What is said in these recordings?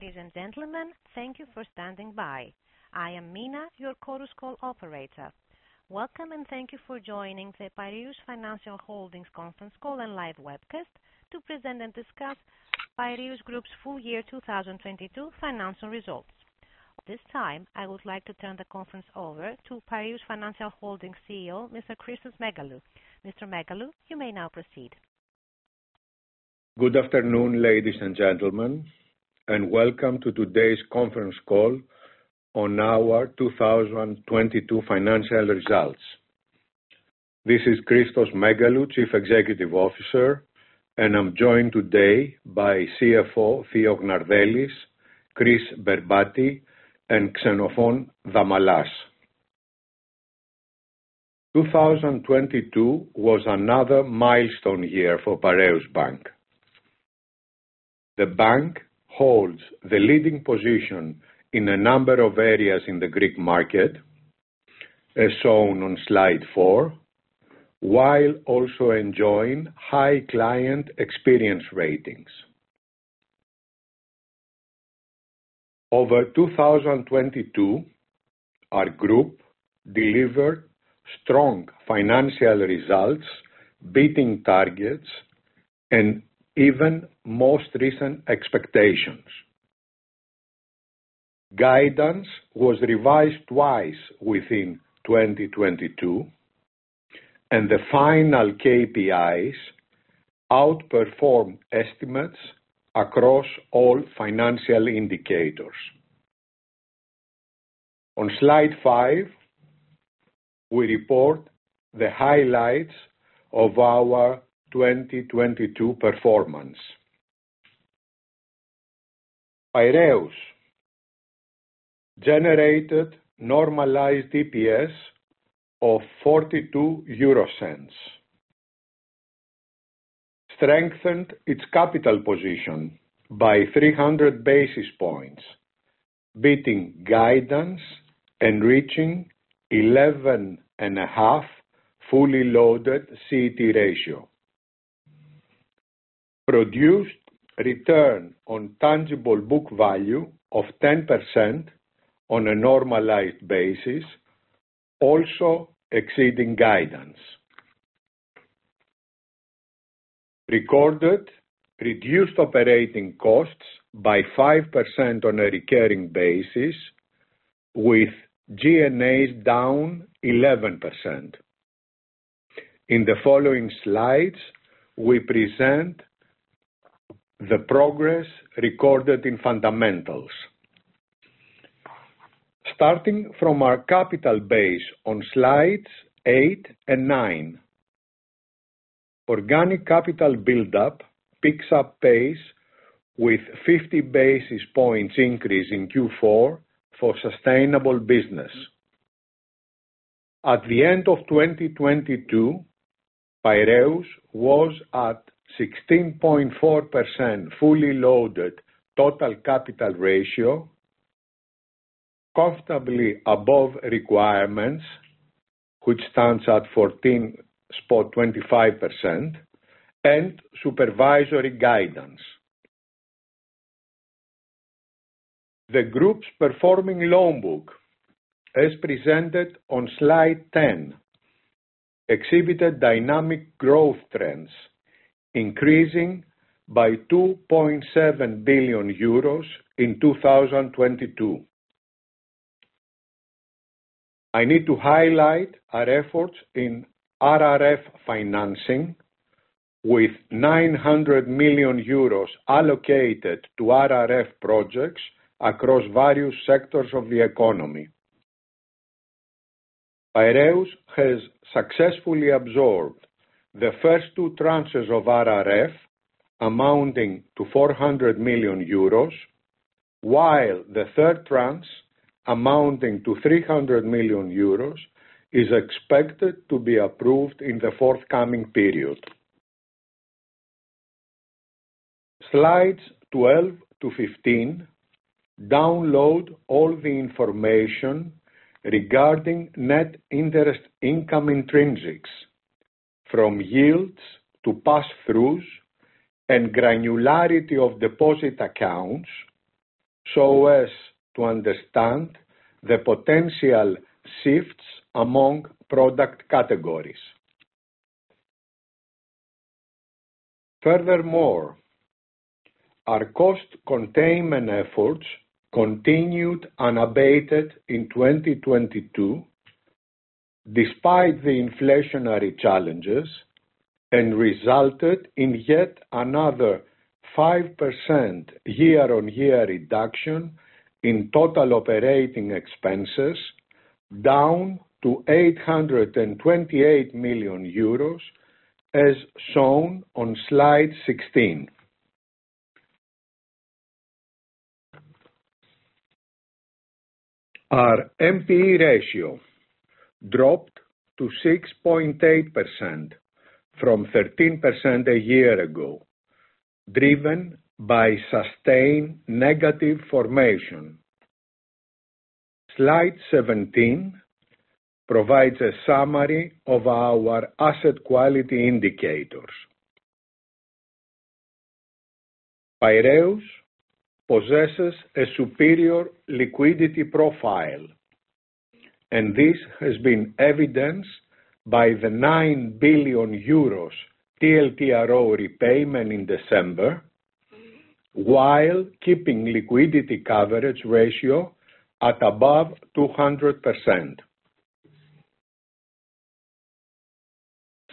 Ladies and gentlemen, thank you for standing by. I am Mina, your Chorus Call operator. Welcome, thank you for joining the Piraeus Financial Holdings conference call and live webcast to present and discuss Piraeus Group's full year 2022 financial results. This time, I would like to turn the conference over to Piraeus Financial Holdings CEO, Mr. Christos Megalou. Mr. Megalou, you may now proceed. Good afternoon, ladies and gentlemen, welcome to today's conference call on our 2022 financial results. This is Christos Megalou, Chief Executive Officer, and I'm joined today by CFO Theo Gnardellis, Chris Berbati, and Xenophon Damalas. 2022 was another milestone year for Piraeus Bank. The bank holds the leading position in a number of areas in the Greek market, as shown on slide 4, while also enjoying high client experience ratings. Over 2022, our group delivered strong financial results, beating targets and even most recent expectations. Guidance was revised twice within 2022, and the final KPIs outperformed estimates across all financial indicators. On slide 5, we report the highlights of our 2022 performance. Piraeus generated normalized EPS of EUR 0.42. Strengthened its capital position by 300 basis points, beating guidance and reaching 11.5 fully loaded CET ratio. Produced return on tangible book value of 10% on a normalized basis, also exceeding guidance. Recorded reduced operating costs by 5% on a recurring basis, with G&As down 11%. In the following slides, we present the progress recorded in fundamentals. Starting from our capital base on slides 8 and 9. Organic capital buildup picks up pace with 50 basis points increase in Q4 for sustainable business. At the end of 2022, Piraeus was at 16.4% fully loaded total capital ratio, comfortably above requirements, which stands at 14.25%, and supervisory guidance. The group's performing loan book, as presented on slide 10, exhibited dynamic growth trends, increasing by 2.7 billion euros in 2022. I need to highlight our efforts in RRF financing with 900 million euros allocated to RRF projects across various sectors of the economy. Piraeus has successfully absorbed the first two tranches of RRF amounting to 400 million euros, while the third tranche amounting to 300 million euros is expected to be approved in the forthcoming period. Slides 12 to 15 download all the information regarding net interest income intrinsics from yields to pass-throughs and granularity of deposit accounts, so as to understand the potential shifts among product categories. Furthermore, our cost containment efforts continued unabated in 2022 despite the inflationary challenges, and resulted in yet another 5% year-on-year reduction in total operating expenses, down to 828 million euros, as shown on slide 16. Our NPE ratio dropped to 6.8% from 13% a year ago, driven by sustained negative formation. Slide 17 provides a summary of our asset quality indicators. Piraeus possesses a superior liquidity profile, and this has been evidenced by the 9 billion euros TLTRO repayment in December, while keeping liquidity coverage ratio at above 200%.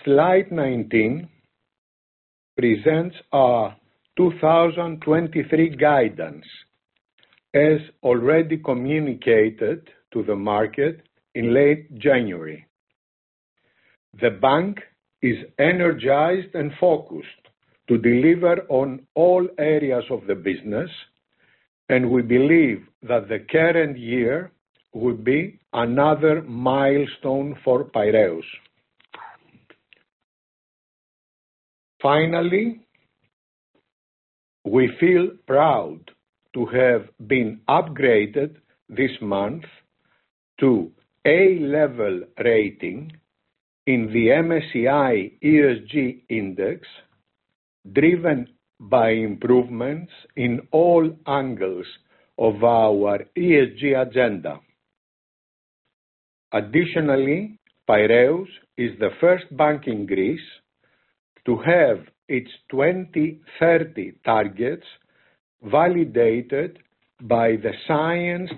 Slide 19 presents our 2023 guidance, as already communicated to the market in late January. The bank is energized and focused to deliver on all areas of the business, and we believe that the current year will be another milestone for Piraeus. Finally, we feel proud to have been upgraded this month to A level rating in the MSCI ESG Index, driven by improvements in all angles of our ESG agenda. Additionally, Piraeus is the first bank in Greece to have its 2030 targets validated by the Science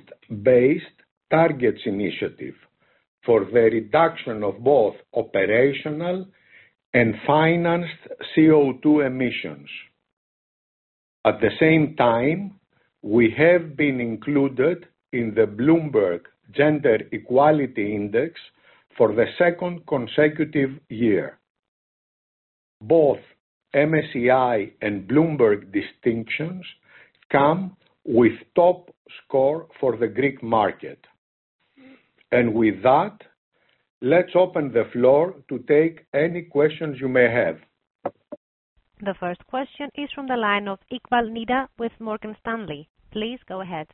Based Targets initiative for the reduction of both operational and financed CO₂ emissions. At the same time, we have been included in the Bloomberg Gender-Equality Index for the second consecutive year. Both MSCI and Bloomberg distinctions come with top score for the Greek market. With that, let's open the floor to take any questions you may have. The first question is from the line of Nida Iqbal with Morgan Stanley. Please go ahead.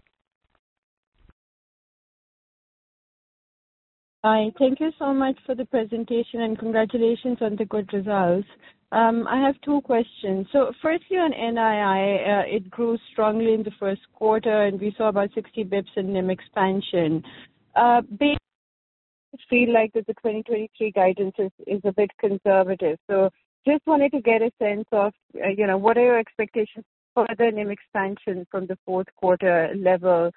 Hi, thank you so much for the presentation, congratulations on the good results. I have 2 questions. Firstly on NII, it grew strongly in the 1st quarter, and we saw about 60 basis points in NIM expansion. Based feel like that the 2023 guidance is a bit conservative. Just wanted to get a sense of, you know, what are your expectations for the NIM expansion from the 4th quarter level?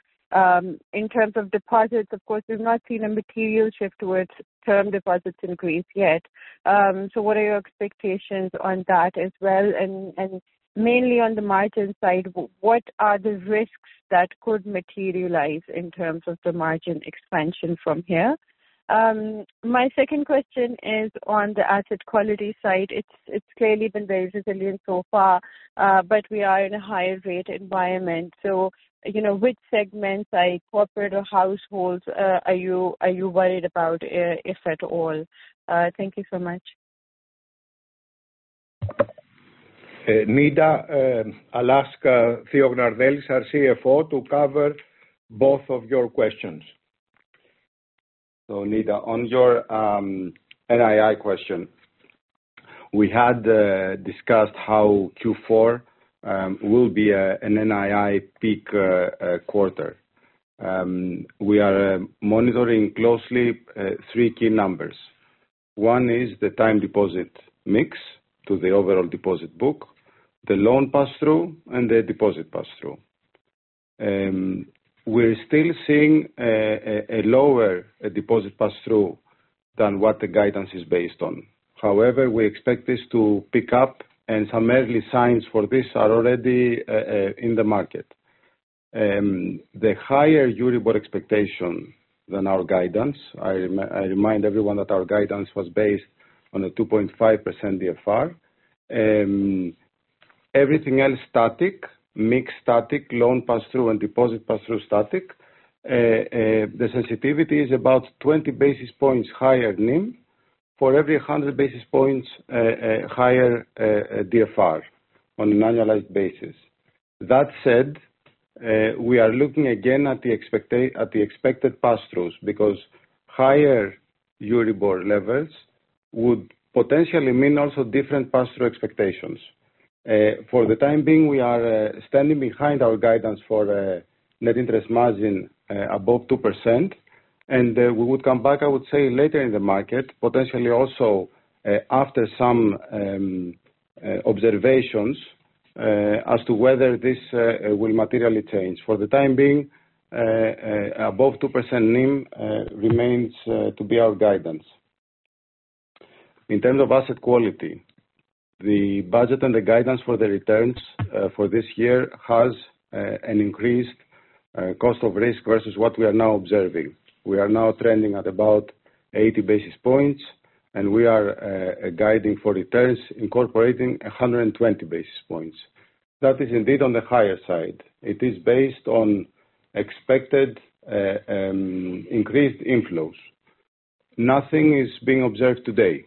In terms of deposits, of course, we've not seen a material shift towards term deposits increase yet. What are your expectations on that as well? Mainly on the margin side, what are the risks that could materialize in terms of the margin expansion from here? My second question is on the asset quality side. It's clearly been very resilient so far, but we are in a higher rate environment. You know, which segments, like corporate or households, are you worried about, if at all? Thank you so much. Nida, I'll ask Theodore Gnardellis, our CFO, to cover both of your questions. Nida, on your NII question, we had discussed how Q4 will be an NII peak quarter. We are monitoring closely 3 key numbers. One is the time deposit mix to the overall deposit book, the loan pass-through, and the deposit pass-through. We're still seeing a lower deposit pass-through than what the guidance is based on. However, we expect this to pick up, and some early signs for this are already in the market. The higher Euribor expectation than our guidance. I remind everyone that our guidance was based on a 2.5% DFR. Everything else static, mix static, loan pass-through, and deposit pass-through static. The sensitivity is about 20 basis points higher NIM for every 100 basis points higher DFR on an annualized basis. That said, we are looking again at the expected pass-throughs because higher Euribor levels would potentially mean also different pass-through expectations. For the time being, we are standing behind our guidance for net interest margin above 2%, and we would come back, I would say, later in the market, potentially also after some observations as to whether this will materially change. For the time being, above 2% NIM remains to be our guidance. In terms of asset quality, the budget and the guidance for the returns for this year has an increased cost of risk versus what we are now observing. We are now trending at about 80 basis points, and we are guiding for returns incorporating 120 basis points. That is indeed on the higher side. It is based on expected increased inflows. Nothing is being observed today.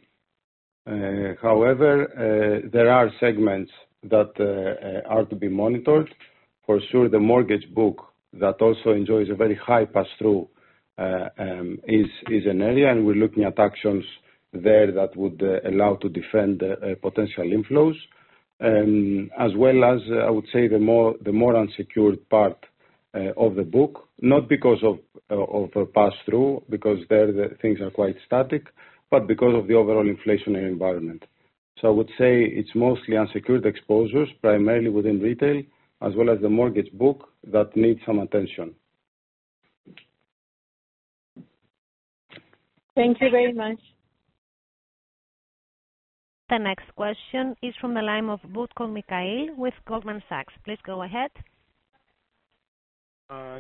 However, there are segments that are to be monitored. For sure, the mortgage book that also enjoys a very high pass-through is an area, and we're looking at actions there that would allow to defend potential inflows. As well as, I would say the more unsecured part of the book, not because of a pass-through because there the things are quite static, but because of the overall inflationary environment. I would say it's mostly unsecured exposures, primarily within retail as well as the mortgage book that needs some attention. Thank you very much. The next question is from the line of Mikhail Butkov with Goldman Sachs. Please go ahead.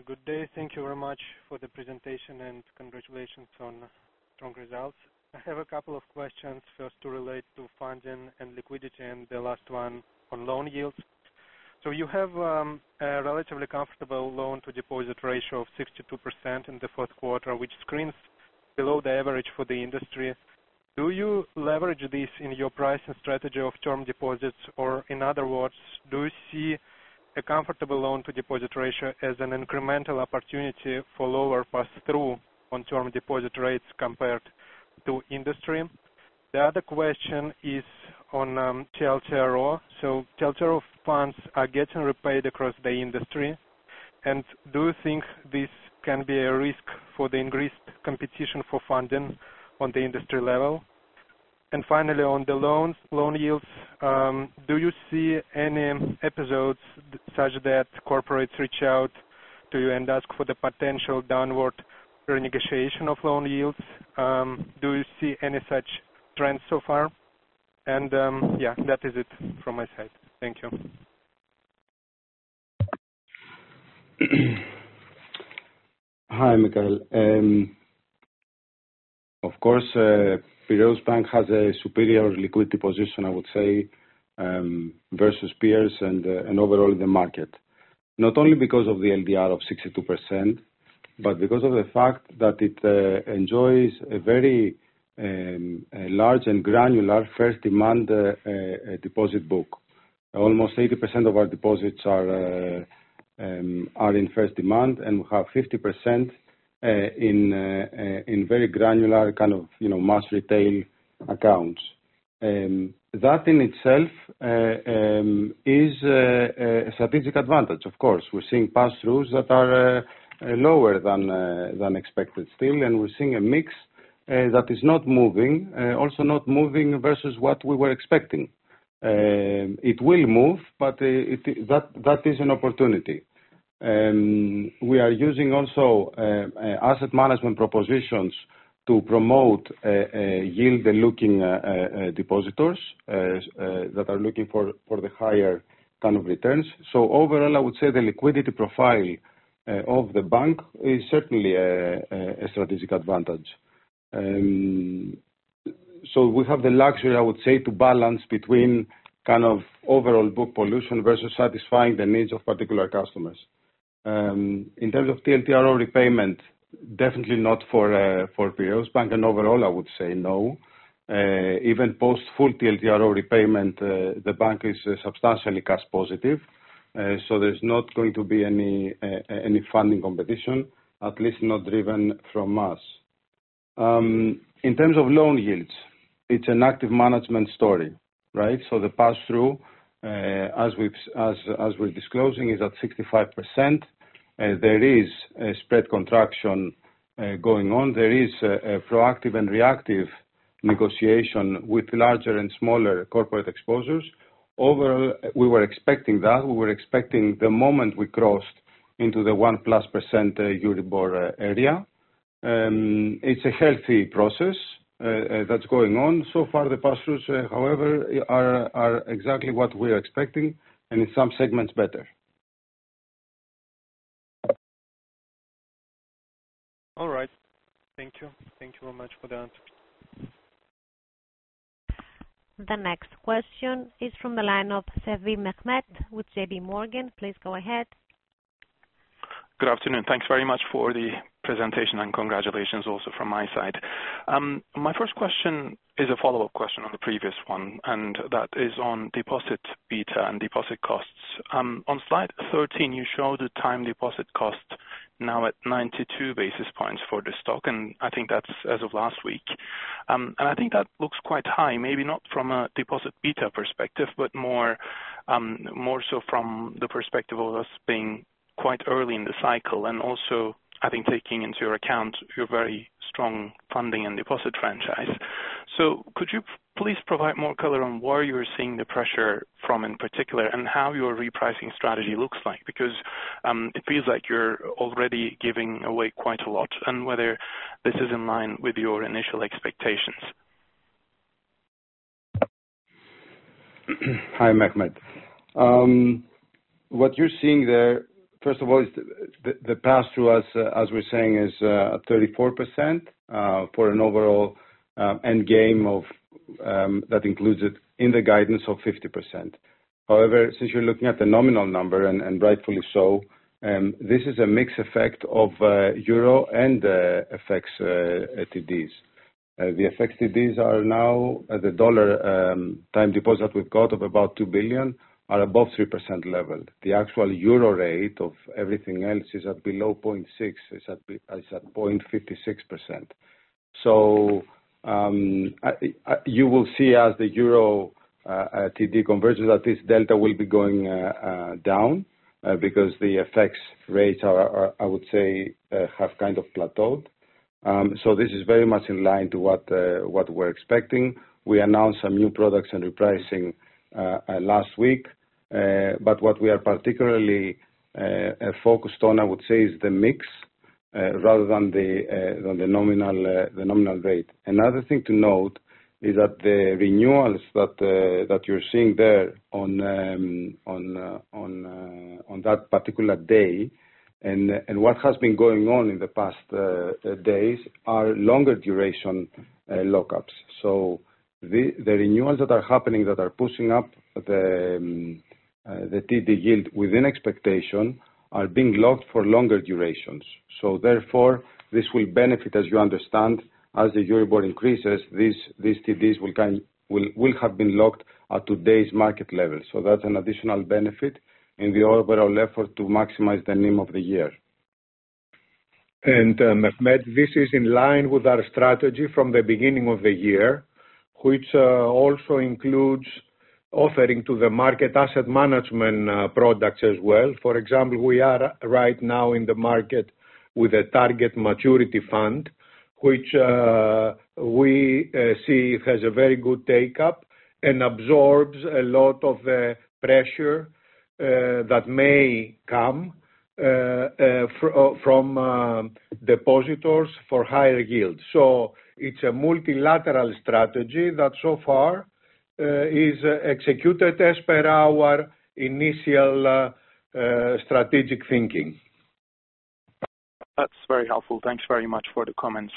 Good day. Thank you very much for the presentation, and congratulations on strong results. I have a couple of questions. First two relate to funding and liquidity, and the last one on loan yields. You have a relatively comfortable loan-to-deposit ratio of 62% in the fourth quarter, which screens below the average for the industry. Do you leverage this in your pricing strategy of term deposits? Or in other words, do you see a comfortable loan-to-deposit ratio as an incremental opportunity for lower pass-through on term deposit rates compared to industry? The other question is on TLTRO. TLTRO funds are getting repaid across the industry. Do you think this can be a risk for the increased competition for funding on the industry level? On the loans, loan yields, do you see any episodes such that corporates reach out to you and ask for the potential downward renegotiation of loan yields? Do you see any such trends so far?, that is it from my side. Thank you. Hi, Mikhail. Of course, Piraeus Bank has a superior liquidity position, I would say, versus peers and overall the market, not only because of the LDR of 62%, but because of the fact that it enjoys a very large and granular first demand deposit book. Almost 80% of our deposits are in first demand. We have 50% in very granular kind of, you know, mass retail accounts. That in itself is a strategic advantage. Of course, we're seeing pass-throughs that are lower than expected still. We're seeing a mix that is not moving, also not moving versus what we were expecting. It will move, but it is, that is an opportunity. We are using also asset management propositions to promote a yield-looking depositors that are looking for the higher kind of returns. Overall, I would say the liquidity profile of the bank is certainly a strategic advantage. We have the luxury, I would say, to balance between kind of overall book pollution versus satisfying the needs of particular customers. In terms of TLTRO repayment, definitely not for Piraeus Bank, overall, I would say no. Even post full TLTRO repayment, the bank is substantially cash positive, there's not going to be any funding competition, at least not driven from us. In terms of loan yields, it's an active management story, right? The pass-through, as we've, as we're disclosing, is at 65%. There is a spread contraction going on. There is a proactive and reactive negotiation with larger and smaller corporate exposures. Overall, we were expecting that. We were expecting the moment we crossed into the 1%+ Euribor area. It's a healthy process that's going on. Far, the pass-throughs, however, are exactly what we're expecting, and in some segments better. All right. Thank you. Thank you very much for the answer. The next question is from the line of Mehmet with J.P. Morgan. Please go ahead. Good afternoon. Thanks very much for the presentation, congratulations also from my side. My first question is a follow-up question on the previous one, that is on deposit beta and deposit costs. On slide 13, you show the time deposit cost now at 92 basis points for the stock, I think that's as of last week. I think it looks quite high, maybe not from a deposit beta perspective, but more, more so from the perspective of us being quite early in the cycle, also, I think taking into your account your very strong funding and deposit franchise. Could you please provide more color on where you're seeing the pressure from in particular and how your repricing strategy looks like? It feels like you're already giving away quite a lot, and whether this is in line with your initial expectations? Hi, Mehmet. What you're seeing there, first of all, is the pass-through as we're saying, is 34% for an overall end game of that includes it in the guidance of 50%. Since you're looking at the nominal number, and rightfully so, this is a mixed effect of Euro and FX TDs. The FX TDs are now at the dollar time deposit we've got of about $2 billion are above 3% level. The actual Euro rate of everything else is at below 0.6%, is at 0.56%. You will see as the Euro TD converges, that this delta will be going down because the effects rates are, I would say, have kind of plateaued. This is very much in line to what we're expecting. We announced some new products and repricing last week. What we are particularly focused on, I would say, is the mix rather than the nominal rate. Another thing to note is that the renewals that you're seeing there on that particular day and what has been going on in the past days are longer duration lockups. The renewals that are happening that are pushing up the TD yield within expectation are being locked for longer durations. Therefore, this will benefit, as you understand, as the Euribor increases, these TDs will have been locked at today's market level. That's an additional benefit in the overall effort to maximize the NIM of the year. Mehmet, this is in line with our strategy from the beginning of the year, which also includes offering to the market asset management products as well. For example, we are right now in the market with a target maturity fund, which we see has a very good take-up and absorbs a lot of the pressure that may come from depositors for higher yields. It's a multilateral strategy that so far is executed as per our initial strategic thinking. That's very helpful. Thanks very much for the comments.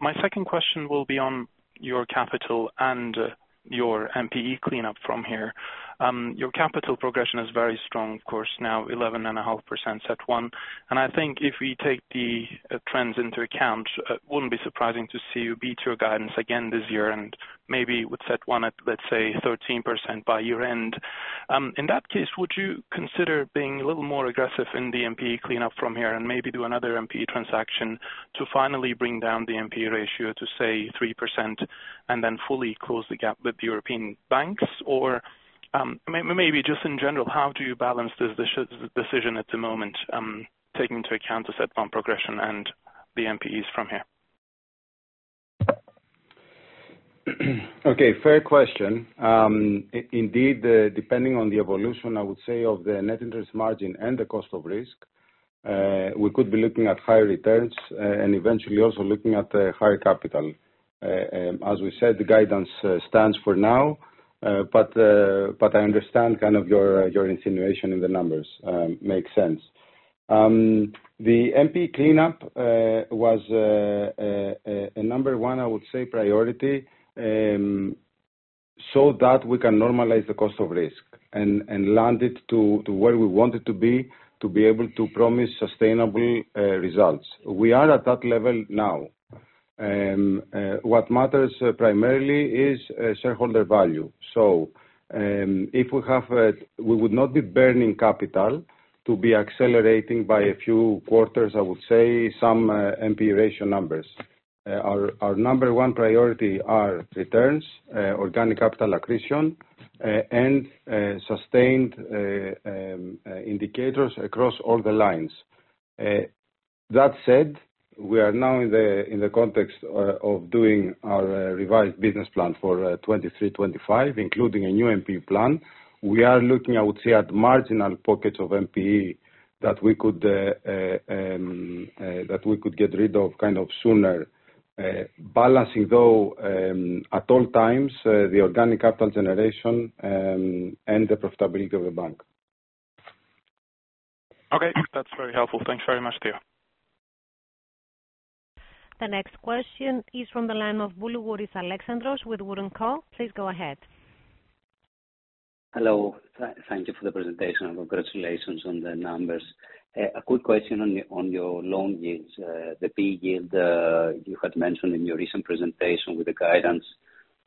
My second question will be on your capital and your NPE cleanup from here. Your capital progression is very strong, of course now 11.5% CET1, and I think if we take the trends into account, it wouldn't be surprising to see you beat your guidance again this year and maybe with CET1 at, let's say, 13% by year-end. In that case, would you consider being a little more aggressive in the NPE cleanup from here and maybe do another NPE transaction to finally bring down the NPE ratio to, say, 3% and then fully close the gap with European banks? Just in general, how do you balance this decision at the moment, taking into account the CET1 progression and the NPEs from here? Okay, fair question. Indeed, depending on the evolution, I would say, of the net interest margin and the cost of risk, we could be looking at higher returns, and eventually also looking at higher capital. As we said, the guidance stands for now, I understand kind of your insinuation in the numbers. Makes sense. The NPE cleanup was a number one, I would say, priority, so that we can normalize the cost of risk and land it to where we want it to be, to be able to promise sustainable results. We are at that level now. What matters primarily is shareholder value. If we have. We would not be burning capital to be accelerating by a few quarters, I would say, some NPE ratio numbers. Our number one priority are returns, organic capital accretion, and sustained indicators across all the lines. That said, we are now in the context of doing our revised business plan for 2023, 2025, including a new NPE plan. We are looking, I would say, at marginal pockets of NPE that we could get rid of kind of sooner, balancing though, at all times, the organic capital generation and the profitability of the bank. Okay. That's very helpful. Thanks very much, Theo. The next question is from the line of Alexandros Boulouris with WOOD & Company. Please go ahead. Hello. Thank you for the presentation, and congratulations on the numbers. A quick question on your loan yields. The PE yield, you had mentioned in your recent presentation with the guidance,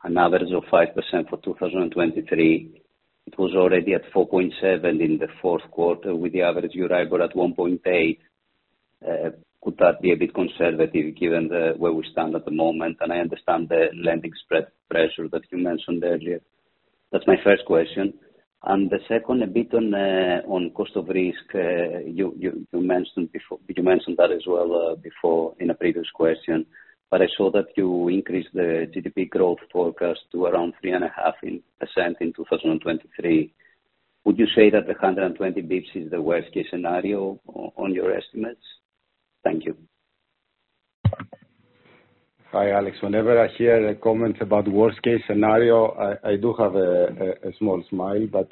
an average of 5% for 2023. It was already at 4.7 in the fourth quarter with the average Euribor at 1.8. Could that be a bit conservative given the where we stand at the moment? I understand the lending spread pressure that you mentioned earlier. That's my first question. The second, a bit on cost of risk. You mentioned before, you mentioned that as well before in a previous question, but I saw that you increased the GDP growth forecast to around 3.5% in 2023. Would you say that the 120 basis points is the worst-case scenario on your estimates? Thank you. Hi, Alex. Whenever I hear a comment about worst-case scenario, I do have a small smile, but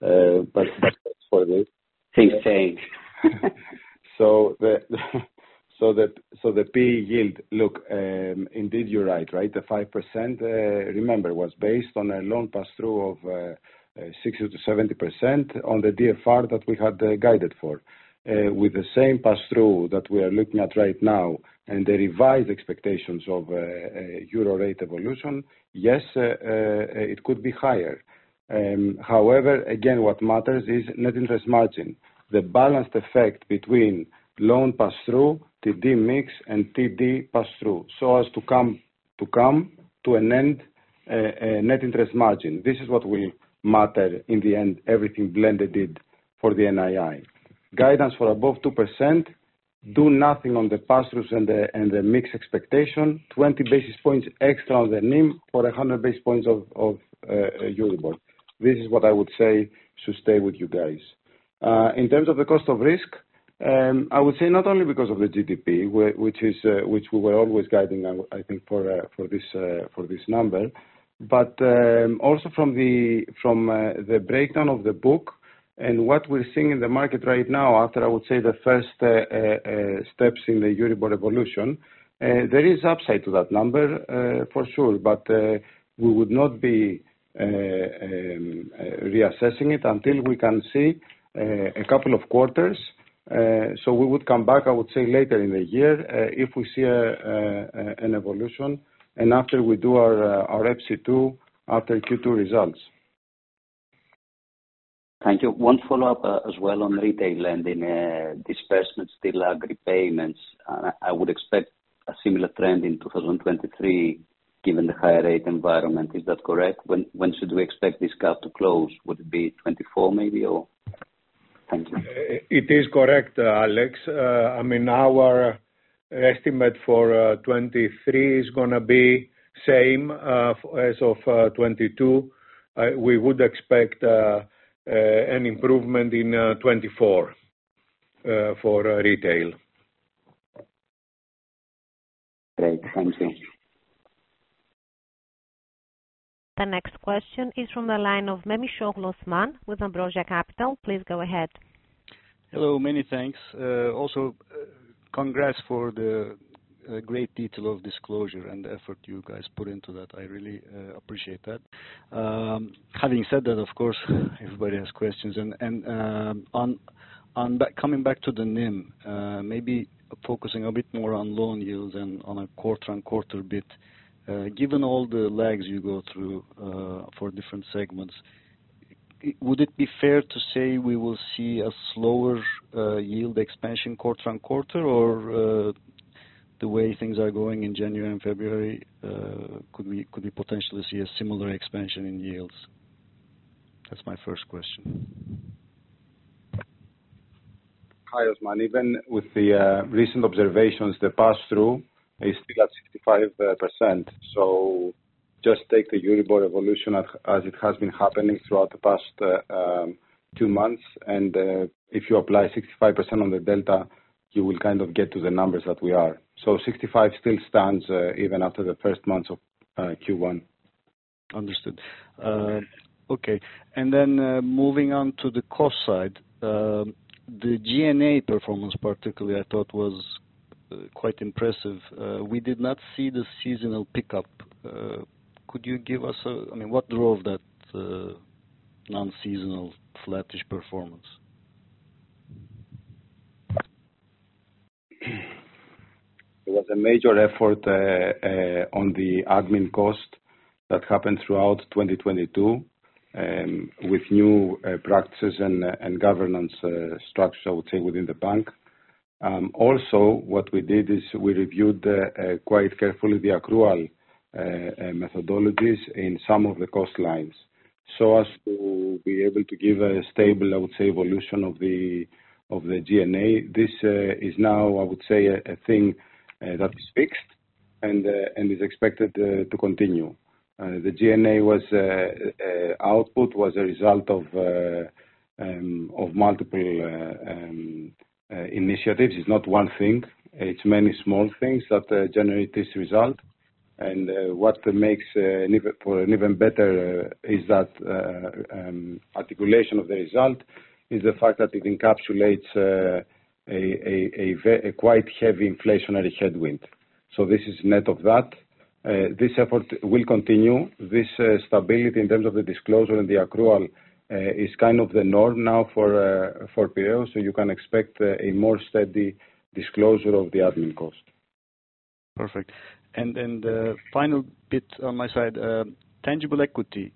for this. Things change. The PE yield look, indeed you're right? The 5%, remember, was based on a loan pass-through of 60%-70% on the DFR that we had guided for. With the same pass-through that we are looking at right now and the revised expectations of Euro rate evolution, yes, it could be higher. However, again, what matters is net interest margin. The balanced effect between loan pass-through to D mix and TD pass-through so as to come to an end, net interest margin. This is what will matter in the end, everything blended it for the NII. Guidance for above 2% do nothing on the pass-throughs and the mix expectation, 20 basis points extra on the NIM or 100 basis points of Euribor. This is what I would say should stay with you guys. In terms of the cost of risk, I would say not only because of the GDP, which is which we were always guiding, I think for this for this number. Also from the from the breakdown of the book and what we're seeing in the market right now after I would say the first steps in the Euribor evolution, there is upside to that number for sure. We would not be reassessing it until we can see a couple of quarters. We would come back, I would say later in the year, if we see an evolution and after we do our FC too, after Q2 results. Thank you. One follow-up as well on retail lending, disbursements still lag repayments. I would expect a similar trend in 2023 given the higher rate environment. Is that correct? When, when should we expect this gap to close? Would it be 2024 maybe or? Thank you. It is correct, Alex. I mean, our estimate for 2023 is gonna be same as of 2022. We would expect an improvement in 2024 for retail. Great. Thank you. The next question is from the line of Osman Memisogluwith Ambrosia Capital. Please go ahead. Hello, many thanks. Also congrats for the great detail of disclosure and effort you guys put into that. I really appreciate that. Having said that, of course, everybody has questions. Coming back to the NIM, maybe focusing a bit more on loan yields and on a quarter-on-quarter bit. Given all the lags you go through for different segments, would it be fair to say we will see a slower yield expansion quarter-on-quarter? Or the way things are going in January and February, could we potentially see a similar expansion in yields? That's my first question. Hi, Osman. Even with the recent observations, the pass-through is still at 65%. Just take the Euribor evolution as it has been happening throughout the past 2 months. If you apply 65% on the delta, you will kind of get to the numbers that we are. 65 still stands even after the first months of Q1. Understood. Okay. Then, moving on to the cost side. The G&A performance particularly I thought was quite impressive. We did not see the seasonal pickup. Could you give us? I mean, what drove that non-seasonal flattish performance? It was a major effort on the admin cost that happened throughout 2022 with new practices and governance structure, I would say, within the bank. Also what we did is we reviewed quite carefully the accrual methodologies in some of the cost lines so as to be able to give a stable, I would say, evolution of the G&A. This is now, I would say, a thing that is fixed and is expected to continue. The G&A output was a result of multiple initiatives. It's not one thing, it's many small things that generate this result. What makes for an even better articulation of the result is the fact that it encapsulates a quite heavy inflationary headwind. This is net of that. This effort will continue. This stability in terms of the disclosure and the accrual is kind of the norm now for NPE. You can expect a more steady disclosure of the admin cost. Perfect. Then the final bit on my side. Tangible equity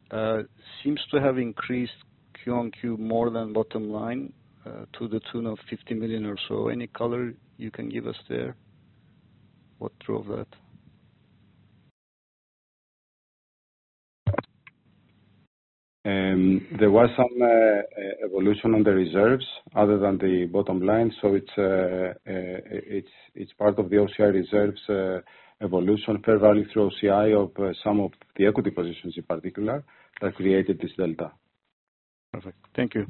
seems to have increased Q on Q more than bottom line, to the tune of 50 million or so. Any color you can give us there? What drove that? There was some evolution on the reserves other than the bottom line. It's part of the OCI reserves evolution fair value through OCI of some of the equity positions in particular that created this delta. Perfect. Thank you.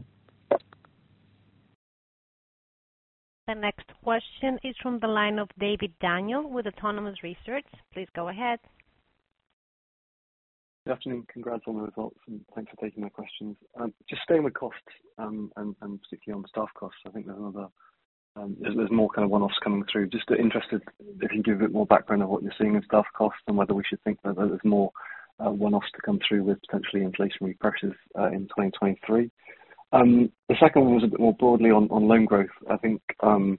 The next question is from the line of David Daniel with Autonomous Research. Please go ahead. Good afternoon. Congrats on the results, thanks for taking my questions. Just staying with costs, and particularly on the staff costs, I think there's another. there's more kind of one-offs coming through. Just interested if you can give a bit more background on what you're seeing in staff costs and whether we should think that there's more one-offs to come through with potentially inflationary pressures in 2023. Second one was a bit more broadly on loan growth. I think the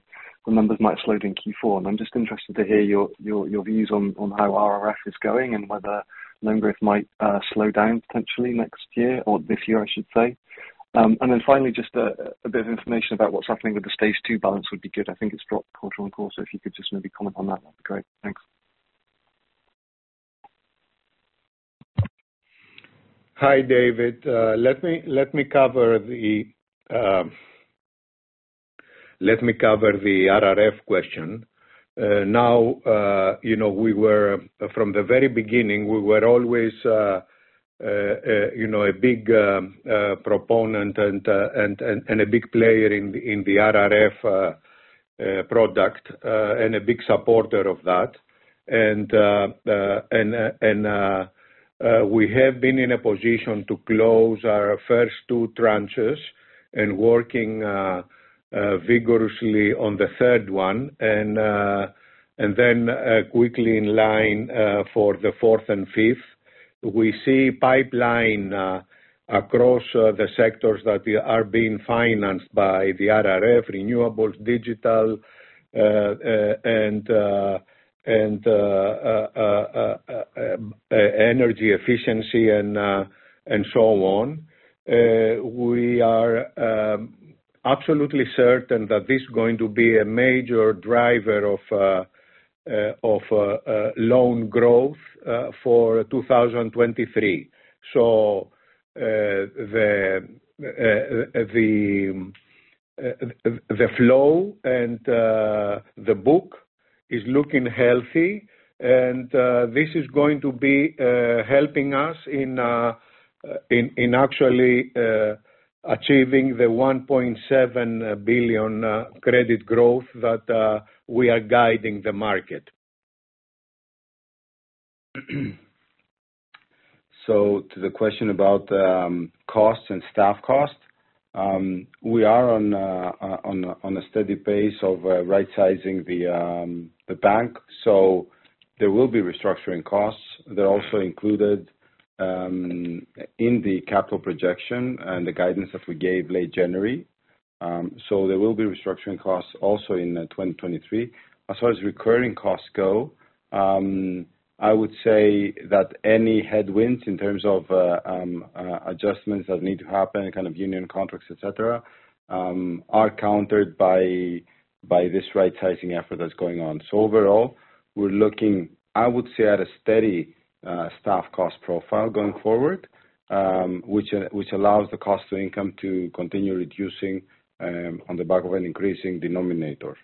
numbers might have slowed in Q4, and I'm just interested to hear your views on how RRF is going and whether loan growth might slow down potentially next year or this year, I should say. Finally, just a bit of information about what's happening with the Stage 2 balance would be good. I think it's dropped quarter-on-quarter. If you could just maybe comment on that'd be great. Thanks. Hi, David. Let me cover the RRF question. Now, you know, we were from the very beginning, we were always a, you know, a big proponent and a big player in the RRF product and a big supporter of that. We have been in a position to close our first two tranches and working vigorously on the third one, and then quickly in line for the fourth and fifth. We see pipeline across the sectors that are being financed by the RRF renewables, digital, and energy efficiency and so on. We are absolutely certain that this is going to be a major driver of loan growth for 2023. The flow and the book is looking healthy and this is going to be helping us in actually achieving the 1.7 billion credit growth that we are guiding the market. To the question about costs and staff costs, we are on a steady pace of right-sizing the bank. There will be restructuring costs. They're also included in the capital projection and the guidance that we gave late January. There will be restructuring costs also in 2023. As far as recurring costs go, I would say that any headwinds in terms of adjustments that need to happen, kind of union contracts, et cetera, are countered by this right-sizing effort that's going on. Overall, we're looking, I would say, at a steady staff cost profile going forward, which allows the cost to income to continue reducing on the back of an increasing denominator.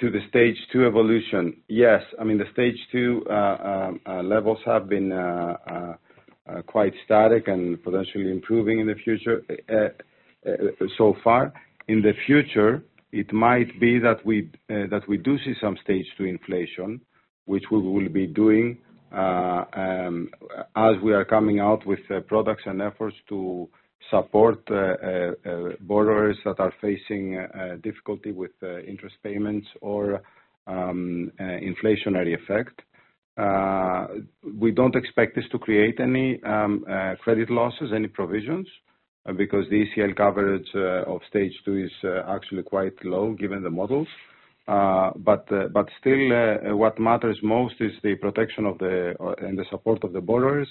To the Stage 2 evolution, yes, I mean, the Stage 2 levels have been quite static and potentially improving in the future so far. In the future, it might be that we that we do see some Stage 2 inflation, which we will be doing as we are coming out with products and efforts to support borrowers that are facing difficulty with interest payments or inflationary effect. We don't expect this to create any credit losses, any provisions, because the ECL coverage of Stage 2 is actually quite low given the models. Still, what matters most is the protection of the and the support of the borrowers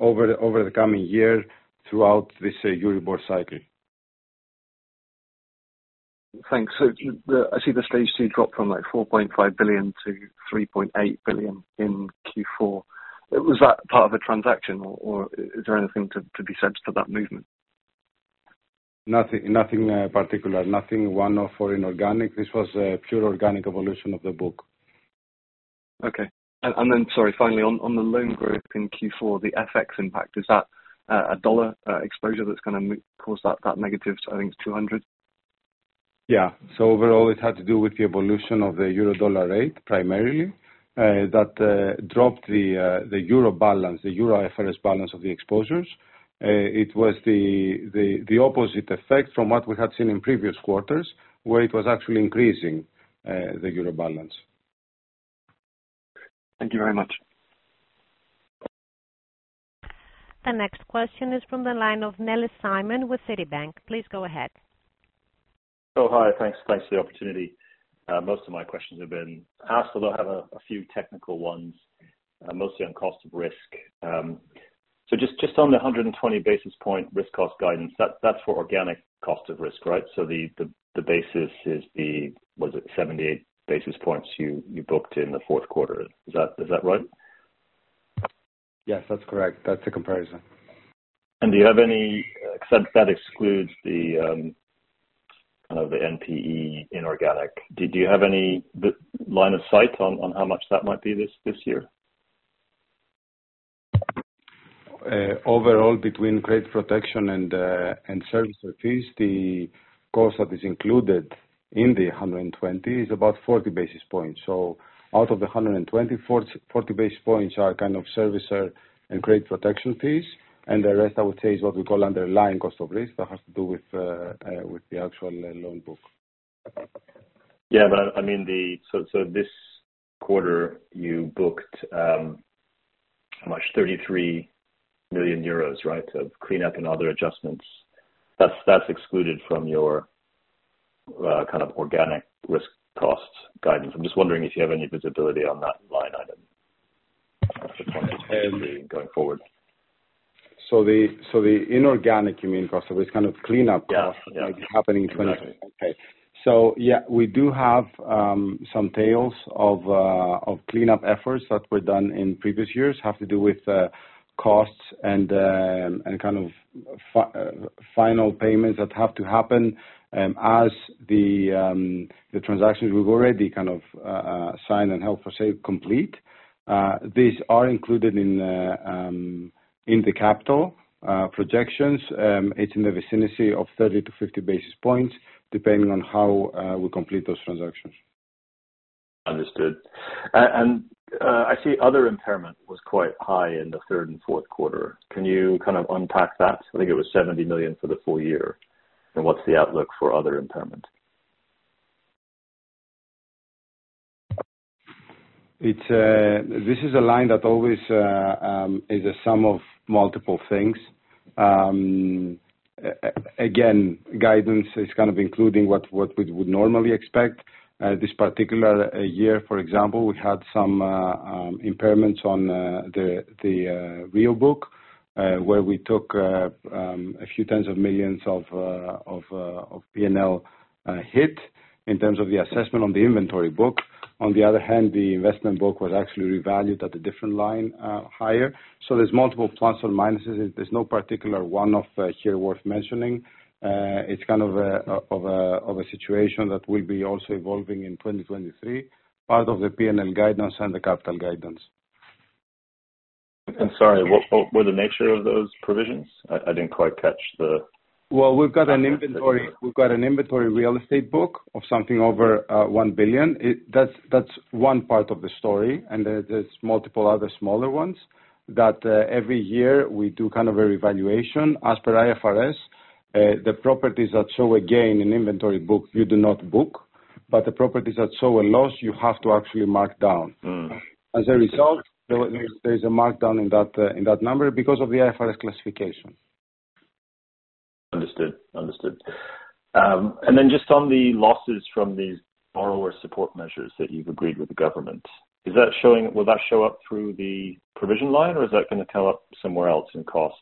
over the coming year throughout this Euribor cycle. Thanks. I see the Stage 2 drop from like 4.5 billion to 3.8 billion in Q4. Was that part of a transaction or is there anything to be said to that movement? Nothing, nothing particular. Nothing one off or inorganic. This was a pure organic evolution of the book. Okay. Sorry, finally on the loan growth in Q4, the FX impact, is that a dollar exposure that's gonna cause that negative? I think it's $200. Overall, it had to do with the evolution of the Euro dollar rate, primarily. That dropped the Euro balance, the Euro IFRS balance of the exposures. It was the opposite effect from what we had seen in previous quarters, where it was actually increasing the Euro balance. Thank you very much. The next question is from the line of Simon Nellis with Citibank. Please go ahead. Hi. Thanks for the opportunity. Most of my questions have been asked, although I have a few technical ones, mostly on cost of risk. Just on the 120 basis point risk cost guidance, that's for organic cost of risk, right? The basis is the Was it 78 basis points you booked in the fourth quarter? Is that right? Yes, that's correct. That's the comparison. Do you have any. Except that excludes the, kind of the NPE inorganic. Do you have any line of sight on how much that might be this year? Overall between credit protection and service fees, the cost that is included in the 120 is about 40 basis points. Out of the 120, 40 basis points are kind of servicer and credit protection fees. The rest I would say is what we call underlying cost of risk. That has to do with the actual loan book. This quarter you booked, how much? 33 million euros, right? Of cleanup and other adjustments. That's excluded from your kind of organic risk costs guidance. I'm just wondering if you have any visibility on that line item going forward. The inorganic, you mean, cost, so it's kind of cleanup costs? happening in 2023. Exactly. We do have some tails of cleanup efforts that were done in previous years, have to do with costs and kind of final payments that have to happen as the transactions we've already kind of signed and helped for sale complete. These are included in the capital projections. It's in the vicinity of 30-50 basis points, depending on how we complete those transactions. Understood. And I see other impairment was quite high in the third and fourth quarter. Can you kind of unpack that? I think it was 70 million for the full year. What's the outlook for other impairment? It's. This is a line that always is a sum of multiple things. Again, guidance is kind of including what we would normally expect. This particular year, for example, we had some impairments on the REO book, where we took a few tens of millions of P&L hit in terms of the assessment on the inventory book. On the other hand, the investment book was actually revalued at a different line, higher. There's multiple plus or minuses. There's no particular one here worth mentioning. It's kind of a situation that will be also evolving in 2023, part of the P&L guidance and the capital guidance. Sorry, what were the nature of those provisions? I didn't quite catch. Well, we've got an inventory real estate book of something over 1 billion. That's one part of the story. There's multiple other smaller ones that every year we do kind of a revaluation. As per IFRS, the properties that show a gain in inventory book, you do not book, the properties that show a loss, you have to actually mark down. There's a markdown in that in that number because of the IFRS classification. Understood. Understood. Just on the losses from these borrower support measures that you've agreed with the government, Will that show up through the provision line, or is that going to come up somewhere else in costs?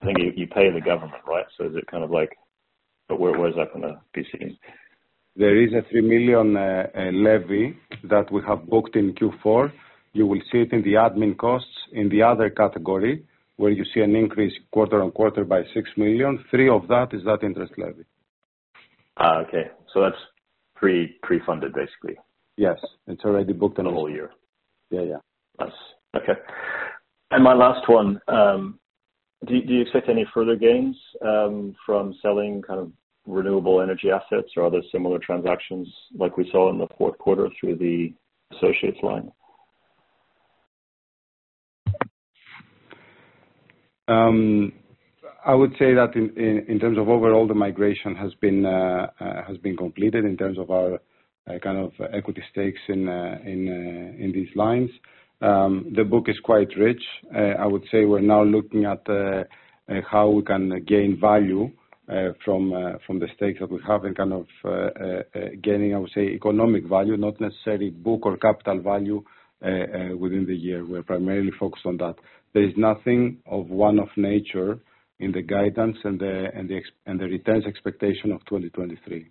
I think you pay the government, right? Where is that going to be sitting? There is a 3 million levy that we have booked in Q4. You will see it in the admin costs in the other category, where you see an increase quarter-on-quarter by 6 million. 3 of that is that interest levy. Okay. That's pre-funded, basically? Yes. It's already booked in-. The whole year. Nice. Okay. My last one. Do you expect any further gains from selling kind of renewable energy assets or other similar transactions like we saw in the fourth quarter through the associates line? I would say that in terms of overall, the migration has been completed in terms of our kind of equity stakes in these lines. The book is quite rich. I would say we're now looking at how we can gain value from the stakes that we have and kind of gaining, I would say, economic value, not necessarily book or capital value within the year. We're primarily focused on that. There is nothing of one off nature in the guidance and the returns expectation of 2023.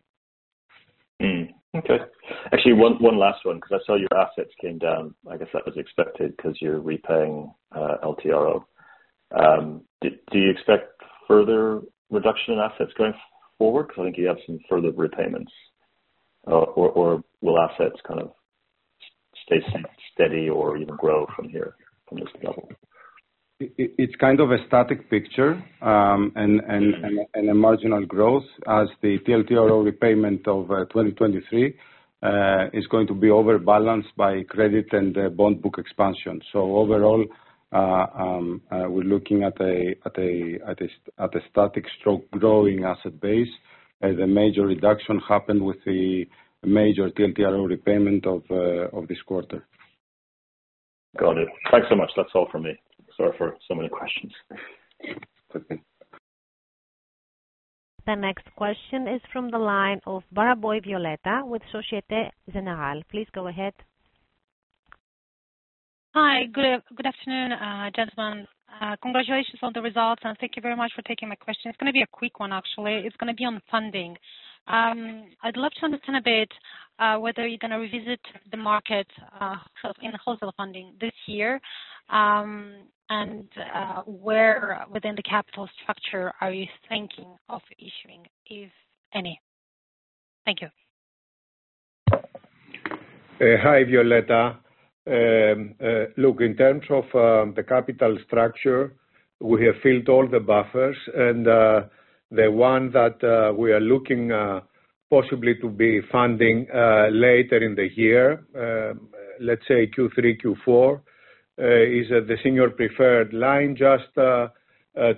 Okay. Actually, one last one, 'cause I saw your assets came down. I guess that was expected because you're repaying LTRO. Do you expect further reduction in assets going forward? Because I think you have some further repayments. Will assets kind of stay steady or even grow from here, from this level? It's kind of a static picture, and a marginal growth as the TLTRO repayment of 2023 is going to be over-balanced by credit and bond book expansion. Overall, we're looking at a static stroke growing asset base, as a major reduction happened with the major TLTRO repayment of this quarter. Got it. Thanks so much. That's all from me. Sorry for so many questions. The next question is from the line of Violeta Baraboi with Societe Generale. Please go ahead. Hi. Good afternoon, gentlemen. Congratulations on the results, and thank you very much for taking my question. It's gonna be a quick one, actually. It's gonna be on funding. I'd love to understand a bit whether you're gonna revisit the market, so in wholesale funding this year, and where within the capital structure are you thinking of issuing, if any? Thank you. Hi, Violeta. Look, in terms of the capital structure, we have filled all the buffers and the one that we are looking possibly to be funding later in the year, let's say Q3, Q4, is the senior preferred line, just to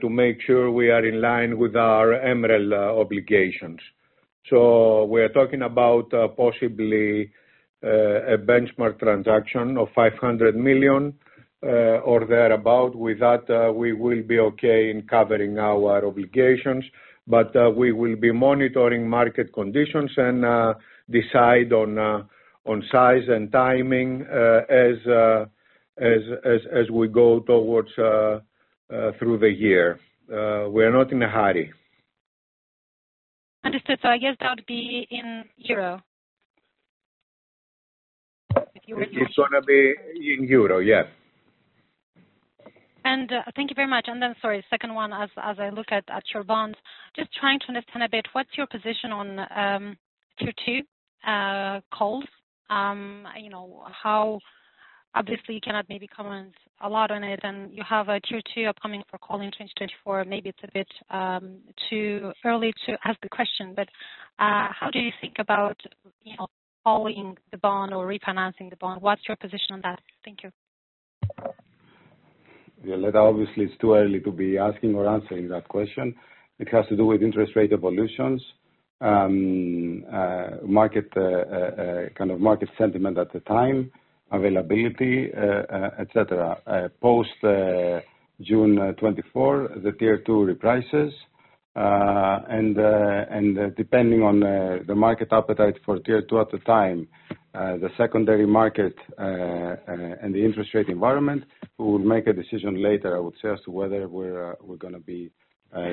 make sure we are in line with our MREL obligations. We're talking about possibly a benchmark transaction of 500 million or thereabout. With that, we will be okay in covering our obligations, but we will be monitoring market conditions and decide on size and timing as we go towards through the year. We're not in a hurry. Understood. I guess that would be in euro. It's gonna be in Euro, yes. Thank you very much. Sorry, second one. As I look at your bonds, just trying to understand a bit, what's your position on Q2 calls? You know, how obviously you cannot maybe comment a lot on it, you have a Q2 upcoming for call in 2024. Maybe it's a bit too early to ask the question, but how do you think about, you know, calling the bond or refinancing the bond? What's your position on that? Thank you. Violeta, obviously it's too early to be asking or answering that question. It has to do with interest rate evolutions, market, kind of market sentiment at the time, availability, et cetera. Post June 2024, the Tier 2 reprices. Depending on the market appetite for Tier 2 at the time, the secondary market, and the interest rate environment, we will make a decision later, I would say, as to whether we're we're gonna be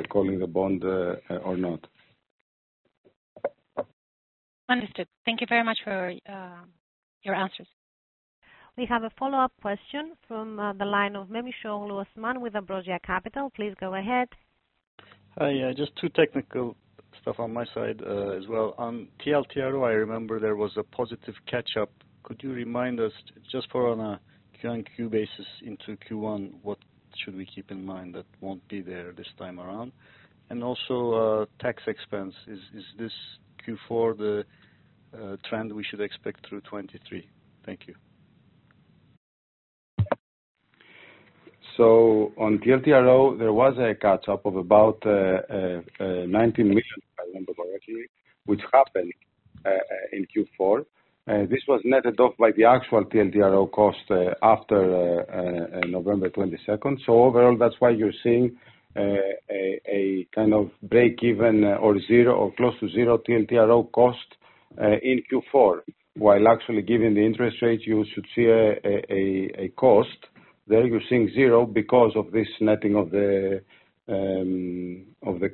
calling the bond or not. Understood. Thank you very much for your answers. We have a follow-up question from the line of Osman Memisoglu with Ambrosia Capital. Please go ahead. Hi., just two technical stuff on my side, as well. On TLTRO, I remember there was a positive catch-up. Could you remind us just for on a quarter-on-quarter basis into Q1, what should we keep in mind that won't be there this time around? Also, tax expense. Is this Q4 the trend we should expect through 2023? Thank you. On TLTRO, there was a catch-up of about 19 million, if I remember correctly, which happened in Q4. This was netted off by the actual TLTRO cost after November 22nd. Overall, that's why you're seeing a kind of breakeven or zero or close to zero TLTRO cost in Q4, while actually giving the interest rate, you should see a cost. There you're seeing zero because of this netting of the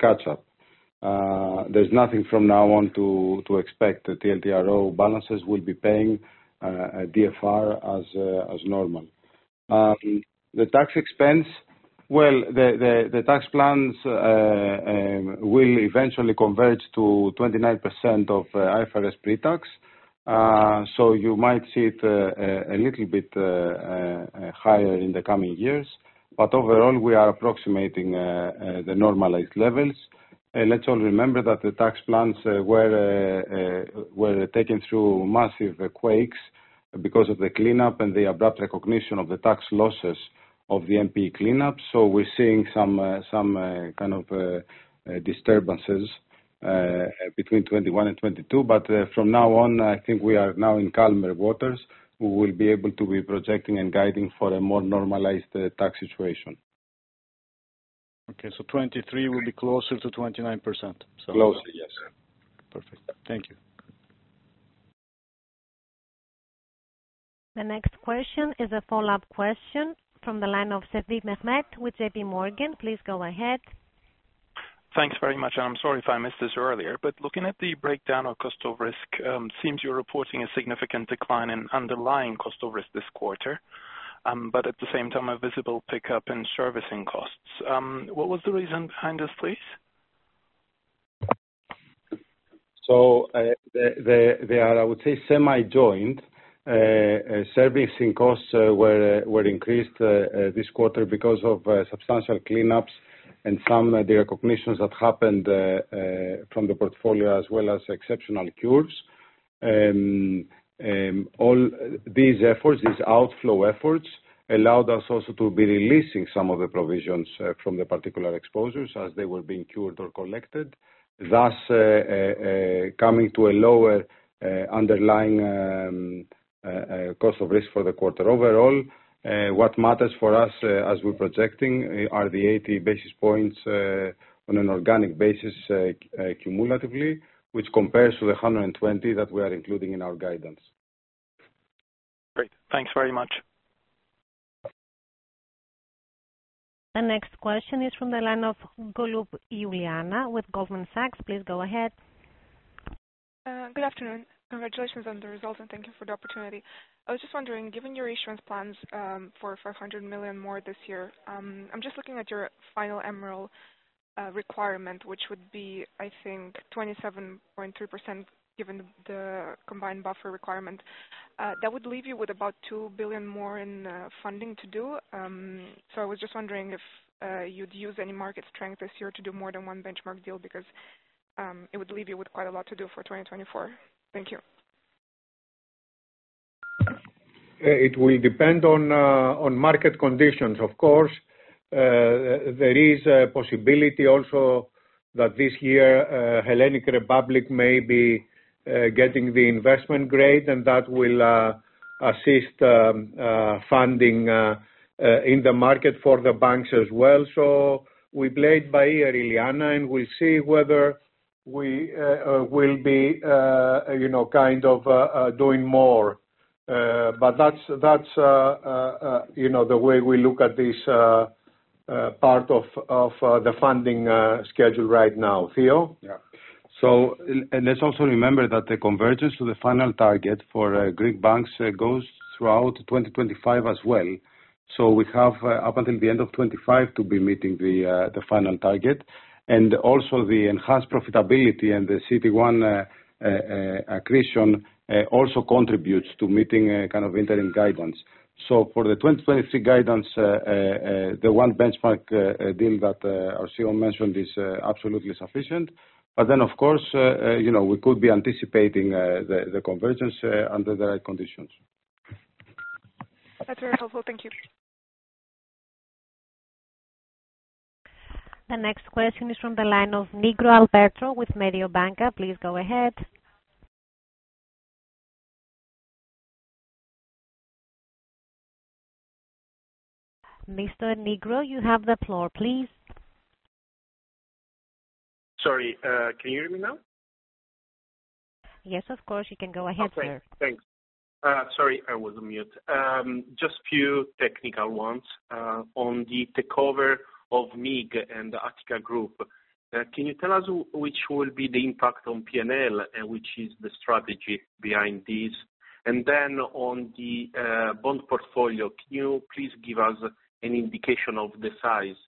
catch-up. There's nothing from now on to expect. The TLTRO balances will be paying a DFR as normal. The tax expense, the tax plans will eventually converge to 29% of IFRS pre-tax. You might see it a little bit higher in the coming years. Overall, we are approximating the normalized levels. Let's all remember that the tax plans were taken through massive quakes because of the cleanup and the abrupt recognition of the tax losses of the MP cleanup. We're seeing some kind of disturbances between 2021 and 2022. From now on, I think we are now in calmer waters. We will be able to be projecting and guiding for a more normalized tax situation. Okay. 23 will be closer to 29%. Closer, yes. Perfect. Thank you. The next question is a follow-up question from the line of Mehmet Sevim with J.P. Morgan. Please go ahead. Thanks very much. I'm sorry if I missed this earlier, but looking at the breakdown of cost of risk, seems you're reporting a significant decline in underlying cost of risk this quarter, but at the same time, a visible pickup in servicing costs. What was the reason behind this, please? They are, I would say, semi-joined. Servicing costs were increased this quarter because of substantial cleanups and some of the recognitions that happened from the portfolio, as well as exceptional cures. All these efforts, these outflow efforts, allowed us also to be releasing some of the provisions from the particular exposures as they were being cured or collected, thus coming to a lower underlying cost of risk for the quarter. Overall, what matters for us, as we're projecting are the 80 basis points on an organic basis cumulatively, which compares to the 120 that we are including in our guidance. Great. Thanks very much. The next question is from the line of Iuliana Golub with Goldman Sachs. Please go ahead. Good afternoon. Congratulations on the results. Thank you for the opportunity. I was just wondering, given your insurance plans, for 500 million more this year, I'm just looking at your final MREL requirement, which would be, I think, 27.3%, given the combined buffer requirement. That would leave you with about 2 billion more in funding to do. I was just wondering if you'd use any market strength this year to do more than 1 benchmark deal because it would leave you with quite a lot to do for 2024. Thank you. It will depend on market conditions, of course. There is a possibility also that this year, Hellenic Republic may be getting the investment grade, and that will assist funding in the market for the banks as well. We play it by ear, Iliana, and we see whether we will be, you know, kind of, doing more. That's, that's, you know, the way we look at this part of the funding schedule right now. Theo? Let's also remember that the convergence to the final target for Greek banks goes throughout 2025 as well. We have up until the end of 25 to be meeting the final target. Also the enhanced profitability and the CET1 accretion also contributes to meeting kind of interim guidance. For the 2023 guidance, the one benchmark deal that our CEO mentioned is absolutely sufficient. Of course, you know, we could be anticipating the convergence under the right conditions. That's very helpful. Thank you. The next question is from the line of Alberto Nigro with Mediobanca. Please go ahead. Mr. Nigro, you have the floor, please. Sorry, can you hear me now? Yes, of course. You can go ahead, sir. Okay, thanks. Sorry, I was on mute. Just few technical ones on the takeover of MIG and Attica Group. Can you tell us which will be the impact on PNL and which is the strategy behind this? On the bond portfolio, can you please give us an indication of the size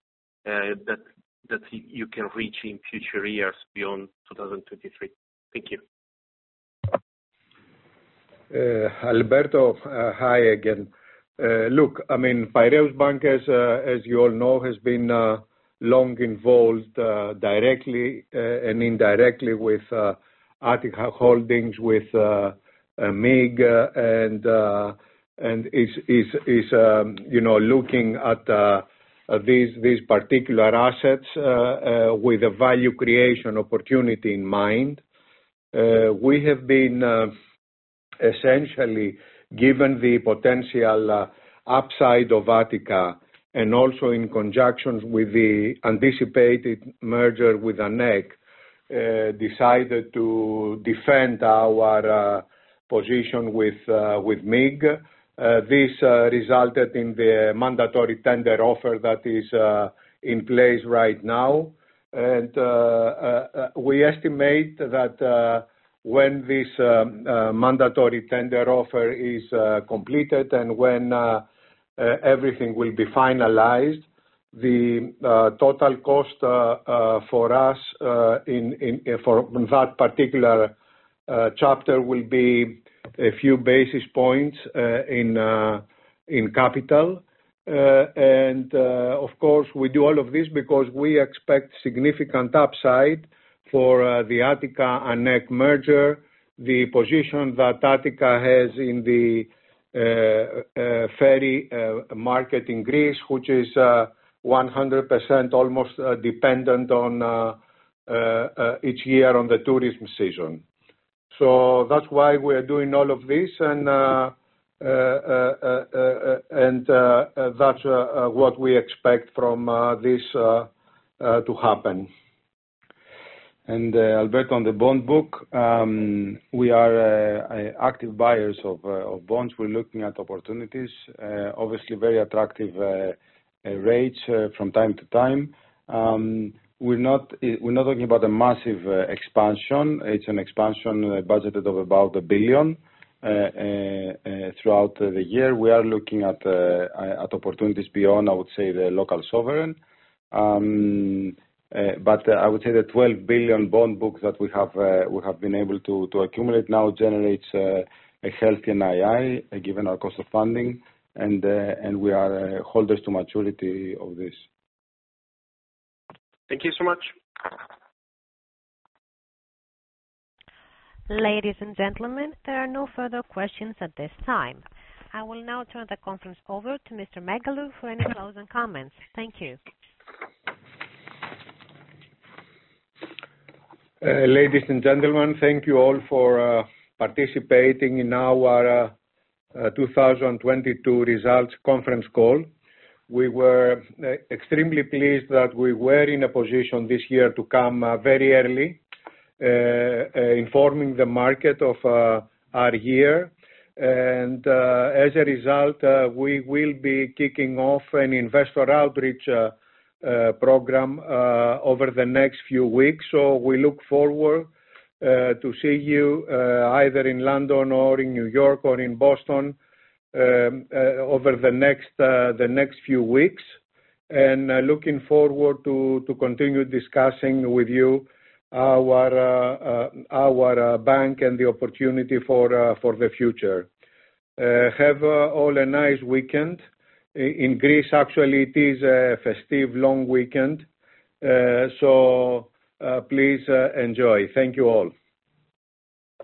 that you can reach in future years beyond 2023? Thank you. Alberto, hi again. Look, I mean, Piraeus Bank, as you all know, has been long involved, directly and indirectly with Attica Holdings, with MIG, and is, is, you know, looking at these particular assets with a value creation opportunity in mind. We have been, essentially, given the potential upside of Attica and also in conjunction with the anticipated merger with ANEK, decided to defend our position with MIG. This resulted in the mandatory tender offer that is in place right now. We estimate that when this mandatory tender offer is completed and everything will be finalized, the total cost for us for that particular chapter will be a few basis points in capital. And of course, we do all of this because we expect significant upside for the Attica-ANEK merger, the position that Attica has in the ferry market in Greece, which is 100% almost dependent each year on the tourism season. That's why we're doing all of this. And that's what we expect from this to happen. Alberto, on the bond book, we are active buyers of bonds. We are looking at opportunities, obviously very attractive rates from time to time. We are not talking about a massive expansion. It's an expansion budgeted of about 1 billion throughout the year. We are looking at opportunities beyond, I would say, the local sovereign. I would say the 12 billion bond book that we have been able to accumulate now generates a healthy NII, given our cost of funding, and we are holders to maturity of this. Thank you so much. Ladies and gentlemen, there are no further questions at this time. I will now turn the conference over to Mr. Megalou for any closing comments. Thank you. Ladies and gentlemen, thank you all for participating in our 2022 results conference call. We were extremely pleased that we were in a position this year to come very early informing the market of our year. As a result, we will be kicking off an investor outreach program over the next few weeks. We look forward to see you either in London or in New York or in Boston over the next few weeks. Looking forward to continue discussing with you our bank and the opportunity for the future. Have all a nice weekend. In Greece, actually, it is a festive long weekend, so please enjoy. Thank you all.